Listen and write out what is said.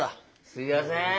すいません。